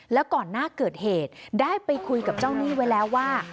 แล้วก่อนหน้าเกิดเหตุได้ไปคุยกับเจ้าหนี้ไว้แล้วว่า